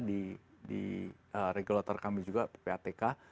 di regulator kami juga ppatk